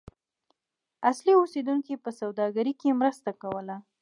اصلي اوسیدونکو په سوداګرۍ کې مرسته کوله.